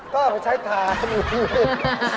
ก็ใช้ทาน